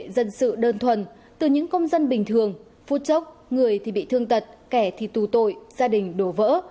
không dân bình thường phút chốc người thì bị thương tật kẻ thì tù tội gia đình đổ vỡ